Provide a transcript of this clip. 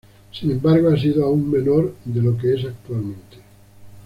Sin embargo, ha sido aún menor de lo que es actualmente.